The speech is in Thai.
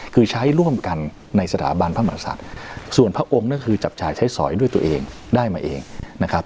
คือใช้ร่วมกันในสถาบันพระมศัตริย์ส่วนพระองค์นั่นคือจับจ่ายใช้สอยด้วยตัวเองได้มาเองนะครับ